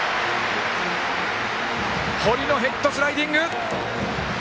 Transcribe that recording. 堀のヘッドスライディング！